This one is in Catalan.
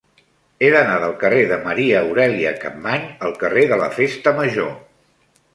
He d'anar del carrer de Maria Aurèlia Capmany al carrer de la Festa Major.